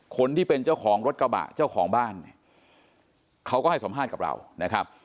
คนที่เป็นเจ้าของรถกระบะเจ้าของบ้านเนี่ยเขาก็ให้สัมภาษณ์กับเรานะครับ